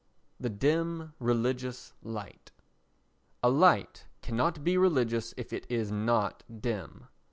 The Dim Religious Light A light cannot be religious if it is not dim.